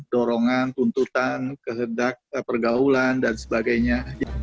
dorongan tuntutan kehendak pergaulan dan sebagainya